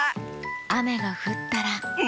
あめがふったらンフフ。